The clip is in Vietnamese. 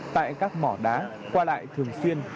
tại các mỏ đá qua lại thường xuyên